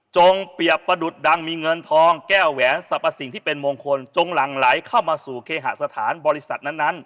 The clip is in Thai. เปรียบประดุษดังมีเงินทองแก้วแหวนสรรพสิ่งที่เป็นมงคลจงหลั่งไหลเข้ามาสู่เคหสถานบริษัทนั้น